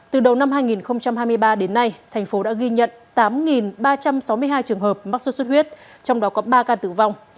từ đầu năm hai nghìn hai mươi ba đến nay thành phố đã ghi nhận tám ba trăm sáu mươi hai trường hợp mắc sốt xuất huyết trong đó có ba ca tử vong